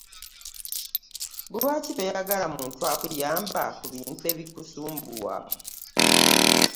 Lwaki toyagala muntu akuyamba ku bintu ebikusumbuwa?